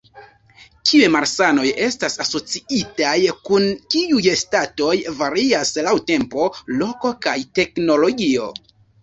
Kiuj malsanoj estas asociitaj kun kiuj statoj varias laŭ tempo, loko kaj teknologio.